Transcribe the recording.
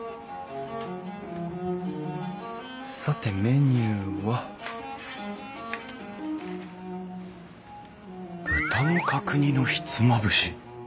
さてメニューは豚の角煮のひつまぶし。